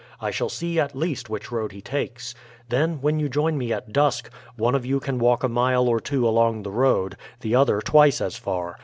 I shall see at least which road he takes. Then, when you join me at dusk, one of you can walk a mile or two along the road; the other twice as far.